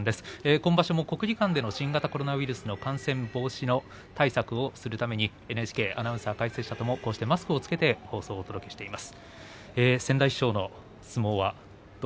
今場所も国技館での新型コロナウイルス感染防止対策をするためにＮＨＫアナウンサー解説者ともにこうしてマスクを着けて放送しています。